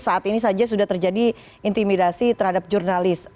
saat ini saja sudah terjadi intimidasi terhadap jurnalis